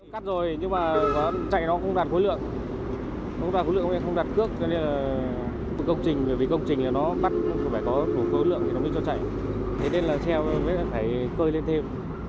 cắt rồi nhưng mà chạy nó không đạt khối lượng nó không đạt khối lượng nên không đạt cước cho nên là công trình vì công trình là nó bắt nó phải có đủ khối lượng để nó mới cho chạy thế nên là xe mới phải cơi lên thêm